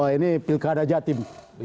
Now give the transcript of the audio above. wah ini pilkada jatim